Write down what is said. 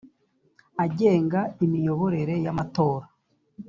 agenga imiyoborere y amatora